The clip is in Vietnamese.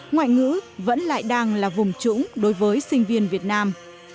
ngoại ngữ vẫn lại đang là vùng trũng đối với sinh viên việt nam